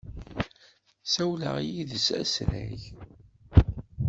Ssawleɣ yid-s asrag.